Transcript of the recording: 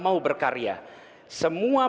mau berkarya semua